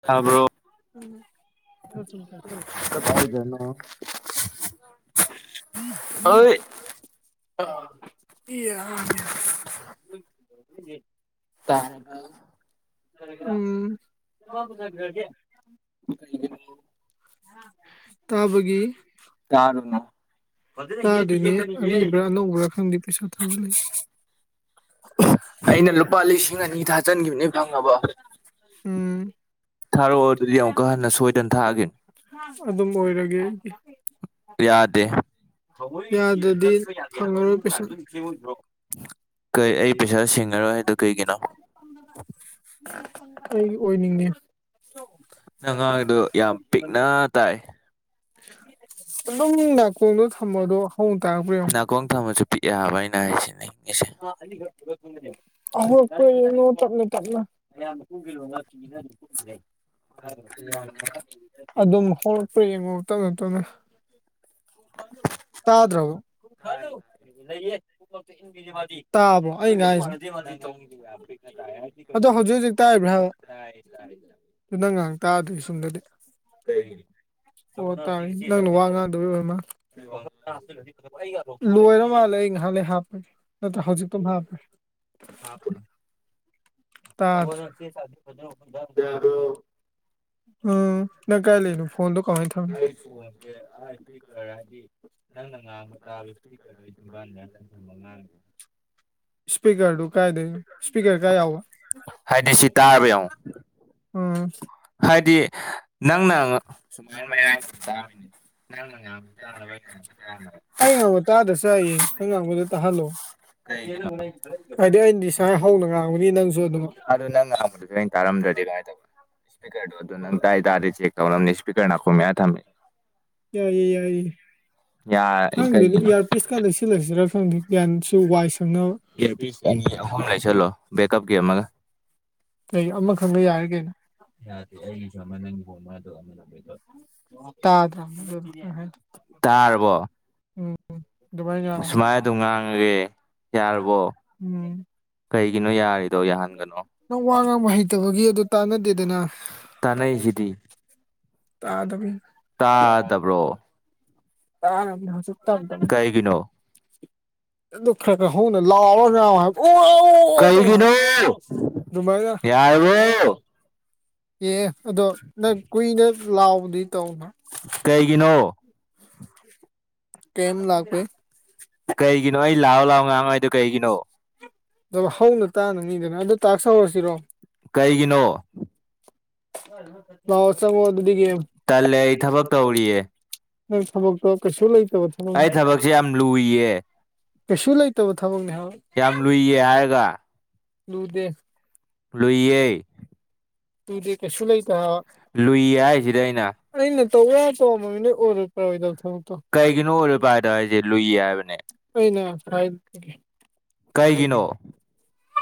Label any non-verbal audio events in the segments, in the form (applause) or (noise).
ꯎ ꯆ ꯎꯝ ꯎꯝ (unintelligible) (inaudible) (unintelligible) (inaudible) ꯎꯝ ꯇꯔꯨ ꯅ ꯇꯥ ꯑꯗꯨꯅꯦ ꯑꯔꯤꯕ꯭ꯔꯥ ꯑꯅꯧꯕ꯭ꯔꯥ ꯈꯪꯗꯦ ꯄꯩꯁꯥ ꯊꯥꯖꯂꯁ (unintelligible) (unintelligible) (unintelligible) ꯑꯗꯨꯝ ꯑꯣꯏꯔꯒꯦ ꯑꯩ ꯌꯥꯗ (unintelligible) (unintelligible) ꯌꯥꯗ꯭ꯔꯗꯤ ꯐꯪꯉꯔꯣꯏ ꯀꯩꯁꯨ ꯀꯩ ꯑꯩ ꯄꯩꯁꯥ ꯁꯤꯡꯉꯔꯣꯏ ꯍꯥꯏꯗꯨ ꯀꯩꯒꯤꯅꯣ (unintelligible) ꯑꯩꯒꯤ ꯑꯣꯏꯅꯤꯡꯉꯦ ꯅꯪ ꯉꯥꯡꯉꯤꯗꯣ ꯌꯥꯝ ꯄꯤꯛꯅꯥ ꯇꯥꯏ ꯑꯗꯨꯝ ꯅꯥꯀꯣꯡꯗꯣ ꯊꯝꯃꫭꯗꯣ ꯄꯨꯡ (unintelligible) ꯅꯥꯀꯣꯡ ꯊꯝꯝꯕꯁꯨ ꯄꯤꯛꯑꯕ ꯑꯩꯅ ꯍꯥꯏꯁꯤꯅꯤꯡꯉꯁꯦ ꯑꯣꯏ ꯀꯣꯏ ꯇ ꯃꯌꯥꯝꯅ ꯀꯨꯝꯒꯤ ꯂꯣꯅ ꯀꯤꯅ ꯑꯗꯨ (unintelligible) (unintelligible) (unintelligible) ꯑꯗꯨꯝ ꯍꯧꯔꯛꯄ꯭ꯔ ꯌꯦꯡꯉꯣ ꯇꯞꯅ ꯇꯞꯅ ꯇꯥꯗ꯭ꯔꯕꯣ (unintelligible) ꯇꯥꯕ꯭ꯔꯣ ꯑꯩꯅ ꯉꯡꯉꯤꯁꯦ ꯑꯗꯣ ꯍꯧꯖꯤꯛ ꯍꯧꯖꯤꯛ ꯇꯥꯔꯤꯕ꯭ꯔꯥ ꯍꯥꯏꯕ ꯅꯪ ꯉꯥꯡꯕ ꯇꯥꯗꯦ ꯁꯣꯝꯗꯗꯤ ꯑꯣ ꯇꯥꯔꯦ ꯅꯪꯅ ꯋꯥ ꯉꯥꯡꯗꯕꯩ ꯑꯣꯏꯔ ꯃꯥꯜꯂꯦ ꯂꯣꯏꯔ ꯃꯥꯜꯂꯦ ꯑꯩ ꯉꯍꯥꯛꯂꯩ ꯍꯥꯞꯄꯅꯤ ꯅꯠꯇ꯭ꯔ ꯍꯧꯖꯤꯛꯇꯨꯝ ꯍꯥꯞꯈꯔꯦ ꯎꯝ (unintelligible) ꯅꯪ ꯀꯥꯏ ꯂꯩꯅꯣ ꯐꯣꯟꯗꯣ ꯀꯃꯥꯏꯅ ꯊꯧ ꯑ ꯏꯁꯤꯀꯔ ꯍꯥꯏꯗꯤ ꯅꯪꯅ ꯉꯥꯡꯕ ꯇꯥꯕꯔꯗ (unintelligible) (unintelligible) (unintelligible) ꯏꯁꯄꯤꯀꯔꯗꯨ ꯀꯥꯏꯗ ꯏꯁꯄꯤꯀꯔ ꯀꯥꯏ ꯌꯥꯥꯎ ꯑꯝ ꯍꯥꯏꯗꯤ ꯅꯪꯅ ꯁꯨꯃꯥꯏꯅ ꯃꯌꯥꯏꯗ ꯆꯥꯃꯤ (unintelligible) ꯑꯩ ꯉꯥꯡꯕ ꯇꯥꯗꯔꯥꯁꯨ ꯆꯥꯏꯌꯦ ꯅꯪ ꯉꯥꯡꯕꯗ ꯇꯥꯍꯜꯂꯣ ꯍꯥꯏꯗꯤ ꯑꯩꯅꯗꯤ ꯁꯨꯃꯥꯏ ꯍꯧꯅ ꯉꯥꯡꯕꯅꯤ ꯅꯪꯁꯨ ꯑꯗꯨꯝ ꯉꯥꯡꯕꯗꯨꯁꯨ ꯑꯩꯅ ꯇꯔꯝꯗ꯭ꯔꯦ ꯀꯃꯥꯏꯅ ꯇꯧꯅꯤ ꯏꯁꯄ꯭ꯤꯀꯔꯗꯣ ꯗꯨꯗ ꯅꯪ ꯇꯥꯏ ꯇꯥꯗꯦ ꯆꯦꯛ ꯇꯧꯔꯥꯝꯅꯤ ꯏꯁꯄꯤꯀꯔ ꯅꯀꯣꯡ ꯃꯌꯥ ꯊꯥꯝꯃꯦ ꯌꯥꯏꯌꯦ ꯌꯥꯏꯌꯦ ꯈꯪꯗꯦꯗꯥ ꯏꯌꯥꯔꯄꯤꯁꯀ ꯂꯩꯁꯤꯜꯂꯁꯤꯔꯥ ꯈꯪꯗꯦ ꯒ꯭ꯌꯥꯟꯁꯨ ꯋꯥꯏ ꯁꯪꯅꯕ ꯑꯅꯤ ꯑꯍꯨꯝ ꯂꯩꯁꯜꯂꯣ ꯕꯦꯛꯀꯞꯀꯤ ꯑꯃꯒꯥ ꯀꯩ ꯑꯃꯈꯛꯅ ꯌꯥꯔꯦ ꯀꯩꯅꯣ ꯌꯥꯗꯦ ꯑꯩꯒꯤꯁꯨ ꯑꯃꯥ ꯅꯪꯒꯤ ꯑꯃꯥ ꯇꯥꯗꯔ (unintelligible) ꯁꯨꯃꯥꯏꯅ ꯑꯗꯨꯝ ꯉꯥꯡꯉꯒꯦ ꯌꯥꯔꯕꯣ ꯀꯩꯒꯤꯅꯣ ꯌꯥꯔꯤꯗꯣ ꯌꯥꯍꯟꯒꯅꯣ ꯅꯪ ꯋꯥ ꯉꯥꯡꯕ ꯍꯩꯇꯕꯒꯤ ꯑꯗꯨ ꯇꯥꯟꯅꯗꯦꯗꯅ ꯇꯥꯗꯕꯩ ꯇꯥꯗꯕ꯭ꯔꯣ (unintelligible) ꯑꯗꯨ ꯈꯔꯥ ꯈꯔꯥ ꯍꯧꯅꯥ ꯂꯎꯔꯥ ꯉꯡꯉꯣ ꯍꯥꯏꯕꯥ ꯑꯣ ꯗꯨꯃꯥꯏꯅꯥ ꯌꯔꯥꯕꯣ ꯑꯦ ꯑꯗꯣ ꯅꯪ ꯀꯨꯏꯅ ꯂꯥꯎꯕꯗꯤ ꯇꯧꯅꯣ ꯀꯦꯝ ꯂꯥꯛꯄꯩ꯫ ꯀꯩꯒꯤꯅꯣ ꯑꯩ ꯂꯥꯎ ꯂꯥꯎꯔ ꯉꯥꯡꯉꯣ ꯍꯥꯏꯗꯣ ꯀꯩꯒꯤꯅꯣ ꯍꯧꯅ ꯇꯥꯅꯝꯅꯤꯗꯅ ꯑꯗꯨ ꯇꯥꯛꯁ ꯍꯧꯔꯁꯤꯔꯣ ꯀꯩꯒꯤꯅꯣ ꯂꯥꯛꯑꯣ ꯆꯪꯉꯛꯑꯣ ꯑꯗꯨꯗꯤ ꯒꯦꯝ ꯇꯜꯂꯦ ꯑꯩ ꯊꯕꯛ ꯇꯧꯔꯤꯌꯦ ꯅꯪ ꯊꯕꯛꯛꯇꯣ ꯀꯩꯁꯨ ꯂꯩꯇꯕ ꯊꯕꯛ__ ꯑꯩ ꯊꯕꯛꯁꯦ ꯌꯥꯝ ꯂꯨꯏꯌꯦ ꯀꯩꯁꯨ ꯂꯩꯇꯕ ꯊꯕꯛꯅꯤ ꯍꯥꯏꯕ ꯌꯥꯝ ꯂꯨꯏꯌꯦ ꯍꯥꯏꯔꯒ ꯂꯨꯗꯦ ꯂꯨꯏꯌꯦ ꯂꯨꯗꯦ ꯀꯩꯁꯨꯨ ꯂꯩꯇꯦ ꯍꯥꯏꯕꯥ ꯂꯨꯏ ꯍꯥꯏꯁꯤꯗ ꯑꯩꯅ ꯑꯩꯅ ꯇꯧꯕꯥ ꯌꯥꯕꯥ ꯇꯧꯔꯝꯃꯃꯤ ꯅꯣꯏ ꯑꯣꯏꯔꯣꯏ ꯄꯔꯣꯏꯗꯕ ꯊꯕꯛꯇꯣ ꯀꯩꯒꯤꯅꯣ ꯑꯣꯏꯔꯣꯏ ꯄꯥꯔꯣꯏꯗꯕ ꯍꯥꯏꯁꯦ ꯂꯨꯏꯌꯦ ꯍꯥꯏꯕꯅꯦ ꯀꯩꯒꯤꯅꯣ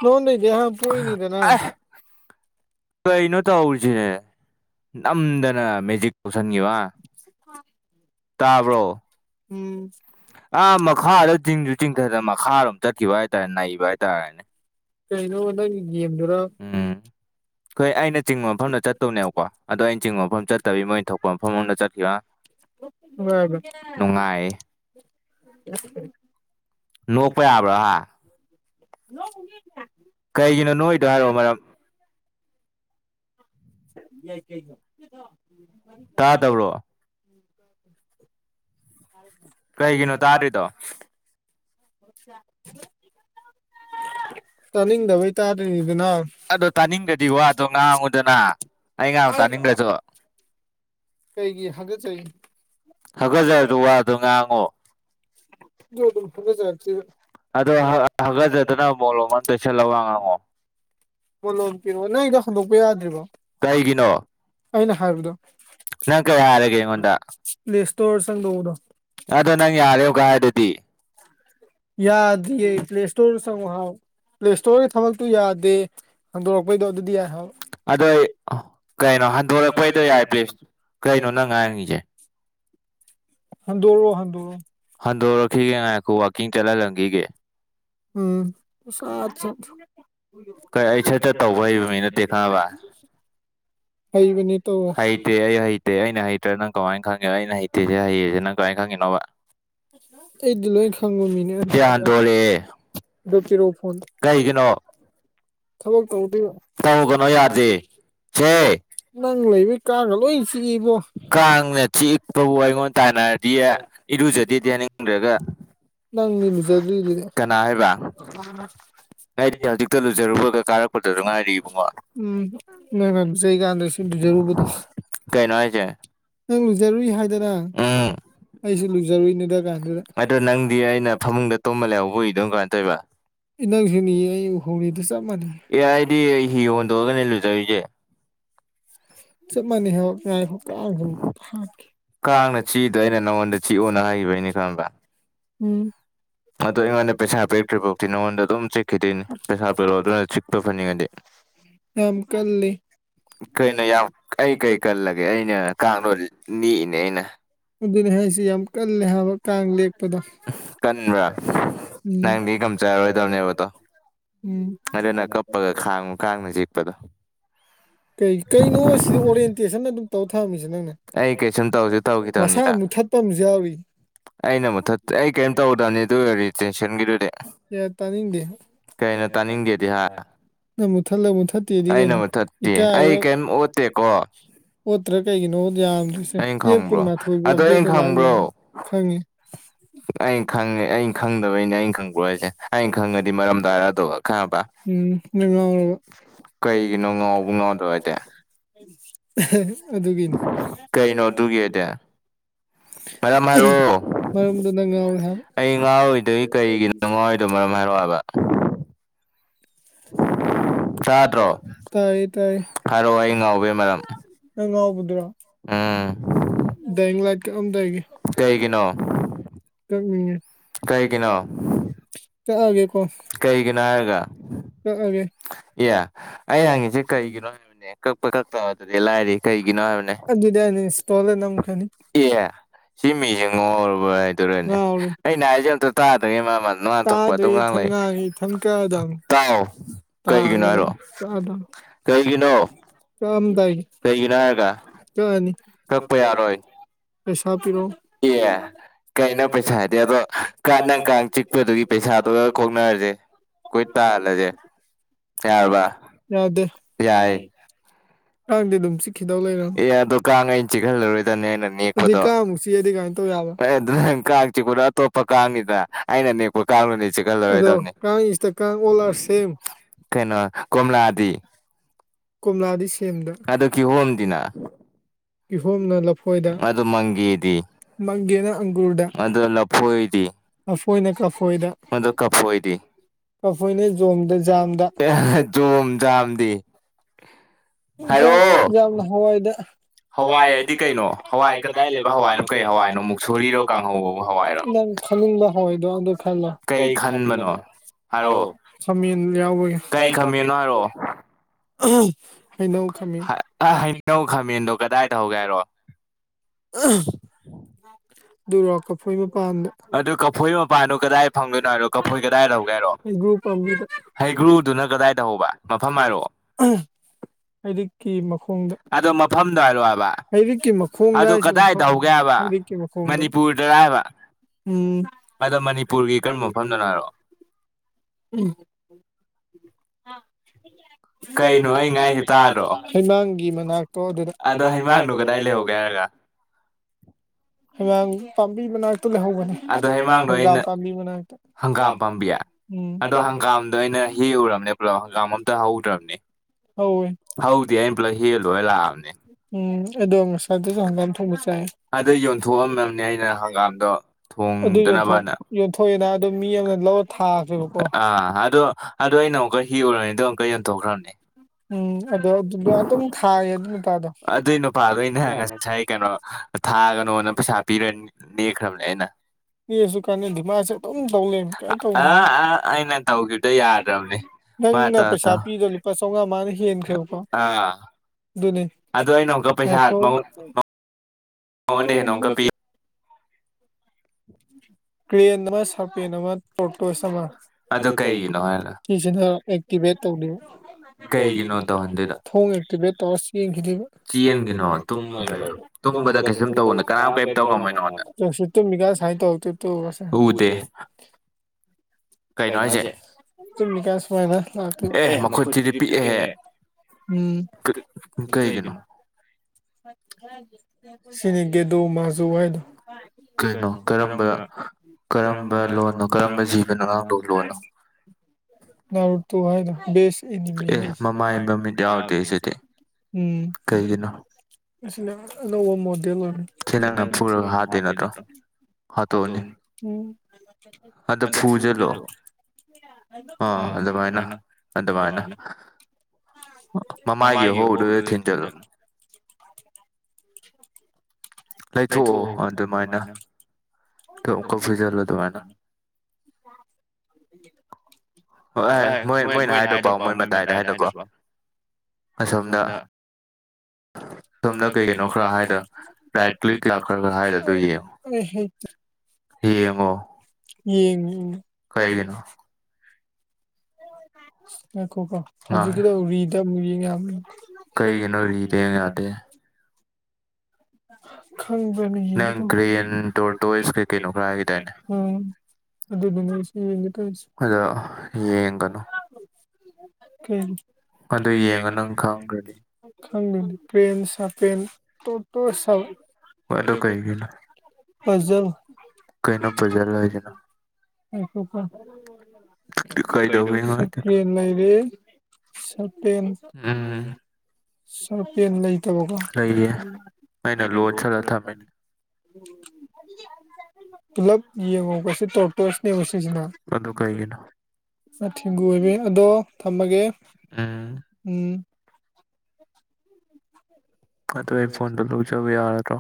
ꯅꯪꯉꯣꯟꯗꯩꯗꯤ ꯑꯩ ꯍꯟꯅ ꯄꯣꯛꯏꯅꯤꯗꯅꯥ ꯀꯩꯅꫭ ꯇꯩꯔꯤꯓꯦ ꯅꯝꯗꯅ ꯃꯦꯖꯤꯛ ꯄꯨꯁꯟꯒꯤꯕ ꯍ (unintelligible) ꯎꯝ ꯑꯥ ꯃꯈꯥꯗ ꯆꯤꯡꯖꯨ ꯆꯤꯡꯙꯗ ꯃꯈꯥꯔꯣꯝ ꯆꯠꯈꯤꯕ ꯍꯥꯏꯇꯥꯔꯦ ꯅꯩꯕ ꯍꯥꯏꯇꯥꯔꯦꯅꯦ ꯀꯩꯩꯅꯣꯕ ꯅꯪꯒꯤ ꯒꯦꯝꯗꯨꯔꯕ ꯎꯝ ꯈꫭꯏ ꯑꯩꯅ ꯆꯤꯡꯕ ꯃꯐꯝꯗ ꯆꯠꯇꯧꯅꯦꯕꯀꯣ ꯑꯗꯣ ꯑꯩꯅ ꯆꯤꯡꯕ ꯃꯐꯝ ꯆꯠ ꯇꯕꯤ ꯃꯣꯏ ꯊꯣꯛꯄ ꯃꯐꯝ ꯑꯝꯗ ꯆꯠꯈꯤꯌꯥ (unintelligible) ꯅꯣꯛꯄ ꯌꯥꯕ꯭ꯔꯥ ꯍꯥ (unintelligible) ꯀꯩꯒꯤꯅꯣ ꯅꯣꯛꯏꯗꯣ ꯍꯥꯏꯔꯛꯑꯣ ꯃꯔꯝ (unintelligible) (unintelligible) (unintelligible) (unintelligible) ꯇꯥꯅꯤꯡꯗꯕꯩ ꯇꯥꯥꯗ꯭ꯔꯤꯅꯤꯗꯅ ꯑꯗꯣ ꯇꯥꯅꯤꯡꯗ꯭ꯔꯗꯤ ꯋꯥꯗꯣ ꯉꯥꯡꯉꫭꯗꯅ ꯑꯩ ꯉꯥꯡ ꯇꯥꯅꯤꯡꯗ꯭ꯔꯖꯨ ꯀꯩꯒꯤ ꯍꯥꯏꯒꯠꯆꯔꯤ ꯍꯒꯖꯔꯗꯨ ꯋꯥꯗꯣ ꯉꯥꯡꯉꯣ ꯗꫭ ꯑꯗꯨꯝ ꯐꯂꯖꯔꯛꯇꯦꯕ ꯑꯗꯣ ꯍ ꯍꯒꯖꯗꯅꯕ ꯃꯣꯂꯣꯝ ꯑꯝ ꯇꯩꯁꯜꯂ ꯋꯥ ꯉꯥꯡꯉꫭ ꯃꯂꯣꯝ ꯄꯤꯔꯣꯑꯣ ꯅꫭꯏꯗꫭ ꯍꯟꯗꯣꯛꯄ ꯌꯥꯗ꯭ꯔꯤꯕꯣ ꯑꯩꯅ ꯍꯥꯏꯕꯗꯣ ꯅꯪ ꯀꯩ ꯌꯥꯔꯒꯦ ꯑꯉꯣꯟꯗ ꯄ꯭ꯂꯦ ꯏꯁꯇꯣꯔ ꯆꯪꯗꯧꯕꯗꯣ ꯑꯗꯣ ꯅꯪ ꯌꯥꯔꯦ ꯑꯧꯀ ꯍꯥꯗꯨꯗꯤ ꯌꯥꯗꯤꯌꯦ ꯄ꯭ꯂꯦ ꯏꯁꯇꫭꯔꯗ ꯆꯪꯉꯨ ꯍꯥꯎ ꯄ꯭ꯂꯦ ꯏꯁꯇꯣꯔꯒꯤ ꯊꯕꯛꯇꯨ ꯌꯥꯗꯦ ꯍꯟꯗꯣꯔꯛꯄꯩꯗꯣ ꯑꯗꯨꯗꯤ ꯌꯥꯏ ꯍꯥꯕ ꯑꯗꯣꯏ ꯑ ꯀꯩꯅꯣ ꯍꯟꯗꯣꯔꯛꯄꯩꯗꯣ ꯌꯥꯏ ꯄ꯭ꯂꯦ ꯀꯩꯅꯣ ꯅꯪ ꯉꯥꯡꯉꯤꯖꯦ ꯍꯟꯗꫭꯔꯣ ꯍꯟꯗꫭꯔꯣ ꯍꯟꯗꯣꯔꯛꯈꯤꯒꯦ ꯉꯥꯏꯈꫭ ꯋꯥꯛꯀꯤꯡ ꯆꯠꯍꯜꯂꯝꯒꯤꯒꯦ ꯎꯝ ꯎꯁꯥꯠ ꯆꯥꯠꯊꯨ (inaudible) ꯍꯩꯕꯅ ꯍꯩꯇꯦ ꯑꯩ ꯍꯩꯇꯦ ꯑꯩꯅ ꯍꯩꯇ꯭ꯔꯥ ꯅꯪ ꯀꯃꯥꯏꯟ ꯈꯪꯉꯤꯕ ꯑꯩꯅ ꯍꯩꯇꯦꯖꯦ ꯍꯩꯌꯦꯖꯦ ꯅꯪ ꯀꯃꯥꯏꯟ ꯈꯪꯉꯤꯅꯣꯕ ꯑꯩꯗꯤ ꯂꯣꯏ ꯈꯪꯕ ꯃꯤꯅꯦ (unintelligible) ꯗꯧ ꯄꯤꯔꯧ ꯐꯣꯟꯗꫭ ꯊꯕꯛ ꯇꯧꯗꯣꯏꯕ ꯇꯧꯒꯅꯣ ꯌꯥꯗꯦ ꯍꯦ ꯅꯪ ꯂꯩꯕꯩ ꯀꯥꯡꯒ ꯂꯣꯏ ꯆꯤꯛꯏꯕꯣ ꯀꯥꯡꯅ ꯆꯤꯛꯄꯕꯨ ꯑꯩꯉꯣꯟ ꯇꯥꯟꯅꯔꯗꯤꯌꯦ ꯏꯔꯨꯖꯗꯦꯗ ꯍꯥꯏꯅꯤꯡꯗ꯭ꯔꯒ ꯅꯪꯅꯤ ꯂꯨꯖꯗ꯭ꯔꯤꯗꯨꯗꯤ (unintelligible) ꯖꯔꯨꯕꯒ ꯀꯥꯔꯛꯄꯗꯖꯨ ꯉꯥꯏꯔꯤ ꯏꯕꯨꯡꯉꯣ ꯎꯝ ꯅꯒꯟꯆꯩꯀꯥꯟꯗꯁꯨ ꯂꯨꯖꯔꯨꯕꯗꯣ ꯅꯪ ꯂꯨꯖꯔꯨꯏ ꯍꯥꯏꯗꯅ ꯑꯩꯁꯨ ꯂꯨꯖꯔꯨꯏꯅꯤꯗ ꯑꯗꯣ ꯅꯪꯗꯤ ꯑꯩꯅ ꯐꯃꯨꯡꯗ ꯇꯨꯝꯃ ꯂꯩꯍꯧꯕ ꯎꯏꯗꯨꯅ ꯀꯃꯥꯏ ꯇꯩꯕ ꯏ ꯅꯪꯁꯨꯅꯤ ꯑꯩ ꯎꯍꯧꯔꯤꯗꯨ ꯆꯞ ꯃꯥꯟꯅꯩ ꯖꯩꯖꯦ ꯆꯞ ꯃꯟꯅꯤ ꯍꯦꯜ ꯉꯥꯏꯈꫭ ꯀꯥꯡꯖꯦ ꯑꯝꯠꯇ ꯍꯥꯠꯀꯦ (unintelligible) ꯎꯝ (inaudible) (unintelligible) ꯌꯥꯝ ꯀꯜꯂꯤ ꯀꯩꯅꯣ ꯌꯥꯝ ꯑꯩ ꯀꯩ ꯀꯜꯂꯒꯦ ꯑꯩꯅ ꯀꯥꯡꯗꯣ ꯅꯦꯛꯏꯅꯦ ꯑꯩꯅ ꯑꯗꯨꯅꯤ ꯍꯥꯏꯁꯤ ꯌꯥꯝ ꯀꯜꯂꯦ ꯍꯥꯏꯕ ꯀꯥꯡ ꯂꯦꯛ ꯑꯗꯣ ꯎꯝ ꯎꯝ ꯄꯗ ꯀꯩ ꯀꯩꯅꯣ ꯁꯤꯗ ꯑꯣꯔꯦꯟꯇꯦꯁꯟ ꯑꯗꯨꯝ ꯇꯧ ꯊꯅꯝꯃꯤꯁꯦ ꯅꯪꯅ ꯃꯁꯥ ꯃꯨꯊꯠꯄ ꯑꯃꯁꯨ ꯌꯥꯎꯔꯤ ꯑꯩꯅ ꯃꯨꯊꯠꯇꯦ ꯑꯩ ꯀꯩꯏꯝ ꯇꯧꯗꯝꯅꯤ ꯑꯗꯨꯌ ꯔꯤꯇꯦꯁꯟꯒꯤꯗꯨꯗꯤ ꯌꯥꯔ ꯇꯥꯅꯤꯡꯗꯦ (unintelligible) ꯅꯪ ꯃꯨꯊꯠꯂ ꯃꯨꯊꯠꯇꯦꯗꯤ ꯀꯩꯅꯣ ꯏꯀꯥꯏꯕ꯭ꯔꯧ ꯗꯦꯀꯣ ꯑꯣꯠꯇ꯭ꯔ ꯀꯩꯒꯤꯅꯣ ꯌꯥꯝꯗꯣꯏꯁꯦ ꯑꯦꯞ ꯀꯨꯟꯃꯥꯊꯣꯏꯕꯨ ꯑꯞꯗꯦꯗꯇ ꯂꯥꯛꯂꯩ ꯈꯪꯉꯦ ꯑꯩꯟ ꯈꯪꯉꯦ ꯑꯩ ꯈꯪꯗꯕꯩꯩꯅꯦ ꯑꯩꯟ ꯈ ꯕ꯭ꯔꫭ ꯍꯥꯏꯁꯦ ꯑꯩ ꯈꯪꯉꯗꯤ ꯃꯔꯝ ꯇꯥꯔꯗꯕ ꯈꯪꯉꯕ ꯀꯩꯒꯤꯅꯣ ꯉꯥꯎꯕ ꯉꯥꯎꯗꯕ ꯍꯥꯏꯗꯤ ꯑꯗꯨꯒꯤꯅꯤ ꯀꯩꯅꯣ ꯑꯗꯨꯒꯤꯗꯤ ꯃꯔꯝꯗꯨ ꯅꯪ ꯉꯥꯎꯔꯦ ꯍꯥꯏꯕ ꯀꯩꯒꯤꯅꯣ ꯉꯥꯎꯔꯤꯗꯣ ꯃꯔꯝ ꯍꯥꯏꯔꯛꯑꯣ ꯍꯥꯏꯕ ꯇꯥꯗ꯭ꯔꯣ ꯇꯥꯏꯌꯦ ꯇꯥꯏꯌꯦ ꯍꯥꯏꯔꯛꯑꯣ ꯑꯩꯅꯥ ꯉꯥꯎꯕꯩ ꯃꯔꯝ ꯅꯪ ꯉꯥꯎꯕꯗꯨꯔꯣ ꯎꯝ ꯗꯥꯏꯏꯡ ꯂꯥꯏꯠ ꯀꯛꯑꯝꯗꯥꯏꯒꯤ ꯀꯩꯒꯤꯅꯣ ꯀꯛꯅꯤꯡꯉꯦ ꯀꯩꯒꯤꯅꯣ ꯀꯛꯑꯒꯦꯀꯣ ꯀꯩꯒꯤꯅꯣ ꯍꯥꯏꯔꯒ ꯀꯛꯑꯒꯦ ꯑꯦ ꯑꯩ ꯍꯪꯉꯤꯁꯦ ꯀꯩꯒꯤꯅꯣ ꯍꯥꯏꯕꯅꯦ ꯀꯛꯄ ꯀꯛꯇꯕꯗꯨꯗꯤ ꯂꯥꯏꯔꯤ ꯑꯗꯨꯗꯤ ꯑꯩꯅ ꯏꯟꯁꯇꯣꯜꯗ ꯅꯝꯈ꯭ꯔꯅꯤ ꯁꯤ ꯃꯤꯖꯦ ꯉꯥꯎꯔꯕꯥꯏꯠ ꯑꯗꯨꯔꯅꯦ ꯑꯩꯅ ꯍꯥꯏꯁꯦ ꯑꯃꯇ ꯇꯥꯗꯉꯩ ꯃꯥ ꯃꯥ ꯃꯥꯅ ꯊꯣꯛꯄ ꯑꯗꯨꯝ ꯉꯥꯡ ꯂꯩ ꯇꯥꯎ ꯇꯥꯕꯔꯣ ꯇꯥꯗ ꯀꯩꯒꯤꯅꯣ ꯀꯛꯑꯝꯗꯥꯏꯒꯤ ꯀꯩꯒꯤꯅꯣ ꯍꯥꯏꯔꯒ ꯀꯛꯑꯅꯤ ꯀꯛꯄ ꯌꯥꯔꯣꯏ ꯄꯩꯁꯥ ꯄꯤꯔꯣ ꯑꯦ ꯀꯩꯅꯣ ꯄꯩꯁꯥ ꯍꯥꯏꯗꯤ ꯑꯗꯣ ꯀꯥꯠ ꯅꯪ ꯀꯥꯡ ꯆꯤꯛꯄꯗꯨꯒꯤ ꯄꯩꯁꯥꯗꯨꯒ ꯀꯣꯛꯅꯔꯁꯦ ꯀꯣꯏ ꯇꯥꯜꯂꯖꯦ ꯌꯥꯔꯕ꯭ꯔꯥ ꯌꯥꯗꯦ ꯌꯥꯏ ꯀꯥꯡꯗꯤ ꯑꯗꯨꯝ ꯆꯤꯛ ꯈꯤꯗꯧ ꯂꯩꯔ ꯑꯦ ꯑꯗꯣ ꯀꯥꯡ ꯑꯩꯅ ꯆꯤꯛꯍꯜꯂꯔꯣꯏ ꯑꯗꯅꯦ ꯑꯩꯅ ꯅꯦꯛꯄꯗꯣ ꯑꯩ ꯑꯗꯨ ꯅꯪ ꯀꯥꯡ ꯆꯤꯄꯗꯣ ꯑꯇꯣꯞꯄ ꯀꯥꯡꯉꯤꯗ꯭ꯔꯥ ꯑꯩꯅ ꯅꯦꯛꯄ ꯀꯥꯡꯗꯨꯅꯗꯤ ꯆꯤꯛꯍꯜꯂꯔꯣꯏꯗꯕꯅꯤ ꯀꯩꯅꯣ ꯀꯣꯝꯂꯥꯗꯤ ꯀꯣꯝꯂꯥꯗꯤ ꯁꯦꯝꯗ ꯇꯤꯅꯥ ꯀꯤꯍꯣꯝꯅ ꯂꯐꯣꯏꯗ ꯃꯪꯒꯦꯅ ꯑꯪꯒꯨꯔꯗ ꯂꯐꯣꯏꯅ ꯀꯐꯣꯏꯗ ꯀꯐꯣꯏꯅꯦ ꯖꯣꯝꯗ ꯖꯥꯝꯗ ꯖꯣꯝ ꯖꯥꯝꯗꯤ ꯌꯥꯝ ꯌꯥꯝꯅ ꯍꯋꯥꯏꯗ ꯍꯥꯋꯏꯍꯥꯏꯗꯤ ꯀꯩꯅꯣ ꯍꯋꯥꯏ ꯀꯗꯥꯏ ꯂꯩꯕ ꯍꯋꯥꯏꯅꯣ ꯀꯩ ꯍꯋꯥꯏꯅꯣ ꯃꯨꯛꯁꯣꯔꯤꯔꯣ ꯀꯥꯡꯍꯧꯕ ꯍꯋꯥꯏꯔꯣ ꯈꯅꯤꯡꯕ ꯍꯋꯏꯗꯣ ꯑꯗꯨ ꯈꯜꯂꯣ ꯀꯩ ꯈꯟꯕꯅꯣ ꯍꯥꯏꯔꯛꯑꯣ ꯈꯃꯦꯟ ꯌꯥꯎꯕꯒꯤ ꯀꯩ ꯈꯥꯃꯦꯟ (unintelligible) ꯍꯩꯅꯧ ꯈꯥꯃꯦꯟꯗꯣ ꯀꯗꯥꯏꯗ ꯍꯧꯒꯦ ꯍꯥꯏꯔꯛꯑꯣ ꯑꯗꯨꯔꯣ ꯀꯐꯣꯏ ꯃꯄꯥꯟꯗꯣ (unintelligible) ꯍꯩꯒ꯭ꯔꯨꯗꯨꯅ ꯀꯗꯥꯏꯗ ꯍꯧꯕ ꯃꯐꯝ ꯍꯥꯏꯔꯛꯑꯣ ꯍꯩꯔꯤꯛꯀꯤ ꯃꯈꯣꯡꯗ ꯑꯗꯣ ꯝꯐꯝꯗꯣ ꯍꯥꯏꯔꯛꯑꯣ ꯍꯥꯏꯕꯥ ꯍꯔꯤꯛꯀꯤ ꯃꯈꯣꯡꯗ ꯍꯥꯏꯖꯦ ꯀꯔꯥꯏ ꯇꯧꯒꯦ ꯍꯥꯏꯕ ꯍꯩꯔꯤꯀꯤ ꯃꯈꯣꯡꯗ ꯃꯅꯤꯄꯨꯔꯗꯔ ꯍꯥꯏꯕ ꯎꯝ ꯑꯗꯣ ꯃꯅꯤꯄꯨꯔꯒꯤ ꯀꯔꯝꯕ ꯃꯐꯝꯗꯅꯣ ꯍꯥꯏꯕ ꯎꯝ ꯀꯩꯅꯣ ꯑꯩ ꯉꯥꯡꯉꯤꯁꯦ ꯇꯥꯗ꯭ꯔꯣ ꯍꯩꯃꯥꯡꯒꯤ ꯃꯅꯥꯛꯇꯣ ꯑꯗꯨꯗ ꯑꯗꯣ ꯍꯩꯃꯥꯡꯗꯣ ꯀꯗꯥꯏ ꯂꯩꯍꯧꯒꯦ ꯍꯥꯏꯅꯣ ꯍꯩꯃꯥꯡ ꯄꯥꯝꯕꯤ ꯃꯅꯥꯛꯇ ꯂꯩꯍꯧꯕꯅꯤ ꯑꯗꯣ ꯍꯩꯃꯥꯡꯗꯣ ꯑꯩꯅꯥ ꯍꯡꯒꯥꯝ ꯄꯥꯝꯕꯤ ꯃꯅꯥꯛꯇꯥ ꯍꯡꯒꯥꯝ ꯄꯥꯝꯕꯤ ꯎꯝ ꯑꯗꯣ ꯍꯡꯒꯥꯝꯗꯣ ꯑꯩꯅ ꯍꯦꯛꯎꯔꯕꯅꯦ ꯄꯨꯂꯞ ꯍꯪꯒꯥꯝ ꯑꯝꯇ ꯍꯧꯗ꯭ꯔꯕꯅꯤ ꯍꯧꯋꯦ ꯍꯧꯗꯦ ꯑꯩꯅ ꯄꯨꯂꯞ ꯍꯦꯛꯑ ꯂꯣꯏꯔ ꯂꯥꯛꯑꯕꯅꯤ ꯎꯝ ꯑꯗꯣ ꯉꯁꯥꯗꯁꯨ ꯍꯪꯒꯥꯝ ꯊꯣꯡꯕ ꯆꯥꯏ ꯑꯗꯨ ꯌꯣꯟꯊꯣꯛꯑꯝꯅꯕꯅꯦ ꯑꯩꯅ ꯍꯪꯒꯥꯝꯗꯣ (unintelligible) ꯑꯩꯈꯣꯏ ꯑꯗꯗꯣ ꯃꯤ ꯑꯃꯅ ꯂꯣꯠ ꯊꯥꯗꯔꯦꯕꯀꯣ ꯑ ꯑꯗꯣ ꯑꯗꯣ ꯑꯩꯅ ꯑꯃꯨꯛꯀ ꯍꯦꯛꯎꯔꯅꯤꯗꯣ ꯑꯃꯨꯛꯀ ꯌꯣꯟꯊꯣꯛꯈ꯭ꯔꯅꯤ ꯎꯝ ꯑꯗꯣ ꯑꯗꯨꯗꯣ ꯑꯗꯨꯝ ꯊꯥꯏꯌꯦ ꯑꯗꯨ ꯅꯨꯄꯥꯗꯣ ꯀꯩꯅꯣ ꯊꯥꯒꯅꯣꯅ ꯄꯩꯁꯥ ꯄꯤꯔꯅꯤ ꯅꯦꯛꯈꯔ꯭ꯃꯦ ꯑꯩꯅ ꯄꯤꯛꯑꯁꯨ ꯀꯥꯟꯅꯗꯦ ꯃꯥꯏꯁꯨ ꯑꯗꯨꯝ ꯇꯧ ꯂꯩꯃꯦ ꯑ ꯑ ꯅꯪꯅ ꯇꯧꯒꯤꯕꯗꯣ ꯌꯥꯗ꯭ꯔꯃꯦ ꯅꯪꯅ ꯄꯩꯁꯥ ꯄꯤꯗꯣꯔꯤ ꯂꯨꯄꯥ ꯆꯥꯎꯉꯥ ꯃꯥꯅ ꯍꯦꯟꯈ꯭ꯔꯦꯕꯀꯣ ꯑꯗꯨꯅꯤ (unintelligible) ꯃꯉꯣꯟꯗꯩꯩ ꯍꯦꯟꯅꯥ ꯑꯃꯨꯛꯀꯥ ꯄꯤ__ ꯀ꯭ꯔꯦꯟ ꯑꯃ ꯁꯥꯄꯦꯟ ꯑꯃ ꯇꯣꯔꯇꯣꯏꯁ ꯑꯃ ꯑꯗꯨ ꯀꯩꯒꯤꯅꯣ ꯁꯤꯁꯤꯅ ꯑꯦꯛꯇꯤꯚꯦꯠ ꯇꯧꯗꯣꯏꯕ ꯀꯩꯒꯤꯅꯤ ꯇꯧꯍꯟꯗꯣꯏꯗꯣ ꯊꯣꯡ ꯑꯦꯛꯇꯤꯚꯦꯠ ꯇꯧꯔꯁ ꯌꯦꯡꯈꯤꯗꯣꯏꯕ ꯆꯦꯟꯒꯤꯅꯣ ꯇꯨꯝꯃꯒ ꯂꯩꯌꯣ ꯇꯨꯝꯕꯗ ꯀꯩꯁꯨꯝ ꯇꯧꯒꯅꯣ ꯀꯅꯥꯝ ꯀꯩꯌꯤꯝ ꯇꯧ ꯉꯝꯃꯣꯏ ꯅꯪꯉꯣꯟꯗ ꯇꯧꯗꯤ ꯇꯧꯔꯣꯁꯦ ꯎꯗꯦ꯫ ꯀꯩꯅꯣ ꯍꯥꯏꯁꯦ ꯇꯨꯝꯃꯤ ꯀꯟ ꯁꯨꯃꯥꯏꯅ ꯂꯥꯛꯇꯣꯏꯕ ꯑꯦ ꯃꯈꯨꯠꯁꯤꯗꯤ ꯄꯤꯛꯑꯦꯍꯦ ꯎꯝ ꯀꯩꯒꯤꯅꯣ ꯁꯤꯅꯦ ꯒꯦꯗꯣ ꯃꯖꯣ ꯍꯥꯏꯗꯣ ꯀꯩꯅꯣ ꯀꯔꯝꯕ ꯀꯔꯝꯕ ꯂꯣꯟꯅꯣ ꯀꯔꯝꯕ ꯖꯤꯕꯅꯣ ꯅꯪꯕꯨ ꯅꯔꯨꯇꯣ ꯍꯥꯏꯗꯣ ꯕꯦꯁ ꯑꯦꯅꯤꯃꯤ ꯍꯥꯢꯁꯦ ꯃꯃꯥꯏ ꯃꯃꯤꯠ ꯌꯥꯎꯗꯦ ꯍꯥꯏꯁꯦ ꯎꯝ ꯀꯩꯒꯤꯅꯣ ꯑꯁꯤꯅ ꯑꯅꯧꯕ ꯃꯣꯗꯦꯜ ꯑꯣꯏꯕꯒꯤ ꯁꯤ ꯅꯪꯅ ꯐꯨꯔꯒ ꯍꯥꯠꯇꯨꯏ ꯅꯠꯇ꯭ꯔꯣ ꯍꯥꯠꯇꯣꯛꯑꯣꯅꯤ ꯎꯝ ꯑꯝꯇꯥ ꯐꯨꯖꯜꯂꯣ ꯑꯣ ꯑꯗꯨꯃꯥꯏꯅ ꯑꯗꯨꯃꯥꯏꯅ ꯃꯃꯥꯏꯒꯤ ꯑꯍꯣꯕꯗꯨꯗ ꯊꯤꯟꯖꯜꯂꯨ (unintelligible) ꯂꯩꯊꯣꯛꯑꯣ ꯑꯗꯨꯃꯥꯏꯅ (unintelligible) ꯑꯗꯨꯃꯥꯏꯅꯥ ꯍꯣꯏ ꯃꯣꯏ ꯃꯣꯏꯅ ꯍꯥꯏꯗꯣ ꯄꯥꯎ ꯃꯣꯏ ꯃꯇꯥꯏꯗ ꯍꯥꯏꯗꯣꯄꯥꯎ ꯑꯁꯣꯝꯗ ꯁꯣꯝꯗ ꯀꯩꯅꯣ ꯈꯔꯥ ꯍꯥꯏꯗꯣ ꯔꯥꯏꯠ꯭ꯀꯂꯤꯛ ꯀ꯭ꯂꯥ ꯈꯔꯥ ꯈꯔꯥ ꯍꯥꯏꯗꯨ ꯑꯗꯨ ꯌꯦꯡꯉꯣ ꯑꯦ ꯍꯩꯇꯦ ꯌꯦꯡꯉꯣ ꯌꯦꯡꯉꯦ ꯀꯩꯒꯤꯅꯣ ꯉꯥꯏꯈꯣꯀꯣ ꯍꯧꯖꯤꯛꯀꯤꯗꯣ ꯔꯤꯗ ꯑꯃꯨꯛ ꯌꯦꯡ ꯌꯥꯕꯔ ꯌꯦꯡꯒꯦ ꯀꯩꯒꯤꯅꯣꯔꯤꯗ ꯌꯥꯗꯦ ꯈꯪꯕꯔꯥꯅ ꯌꯦꯡꯒꯦ ꯇꯧꯕ ꯒꯔꯦꯜ ꯁꯣꯔꯠ ꯋꯦꯁ ꯀꯩꯅꯣ ꯉꯥꯡꯒꯤꯗꯥꯏꯅꯦ ꯑꯝ ꯑꯗꯨꯗꯤꯅꯦ ꯑꯩꯁꯨ ꯁꯤ ꯌꯦꯡꯒꯦ ꯇꯧꯔꯤꯁꯦ ꯑꯗꯣ ꯌꯦꯡꯒꯅꯣ ꯀꯦꯟ ꯑꯗꯨ ꯌꯦꯡꯉ ꯅꯪ ꯈꯪꯉꯛꯀꯅꯤ ꯈꯪꯗꯣꯏꯅꯤ ꯄꯔꯦꯝ ꯁꯥꯄꯦꯟ ꯄꯨꯁ ꯑꯗꯨ ꯀꯩꯅꯣ ꯄꯖꯜ ꯀꯩꯅꯣ ꯄꯖꯜ ꯍꯥꯏꯗꯤ ꯉꯥꯏꯈꯣꯀꯣ ꯀꯩꯗꯧꯔꯤꯅꯣꯕ ꯁꯨꯀꯔꯦꯟ ꯂꯩꯔꯦ ꯁꯥꯔꯄꯦꯟ ꯁꯥꯔꯄꯦꯟ ꯂꯩꯇꯕꯀꯣ ꯑꯩꯅ ꯂꯣꯠꯁꯤꯜꯂ ꯊꯝꯃꯦꯅꯦ ꯄꯨꯂꯞ ꯌꯦꯡꯉꯣꯕ ꯁꯤ ꯇꯣꯔꯇꯣꯏꯁꯅꯦꯕ ꯁꯤꯁꯤꯅ ꯑꯗꯣ ꯀꯩꯅꯣ ꯊꯦꯡꯒꯨ ꯑꯣꯏꯕ ꯑꯗꯣ ꯊꯝꯃꯒꯦ ꯎꯝ ꯎꯝ ꯃꯗꯣ ꯑꯩ ꯐꯣꯟꯗꯣ ꯂꯧꯖꯕ ꯌꯔ꯭ꯥꯗꯔꯣ